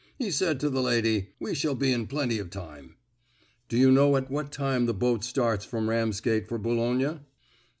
He said to the lady, 'We shall be in plenty of time.'" "Do you know at what time the boat starts from Ramsgate for Boulogne?"